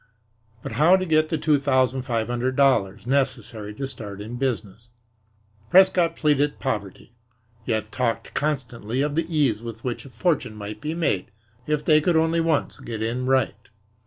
But how to get the two thousand five hundred dollars necessary to start in business? Prescott pleaded poverty, yet talked constantly of the ease with which a fortune might be made if they could only once "get in right."